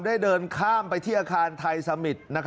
เดินข้ามไปที่อาคารไทยสมิตร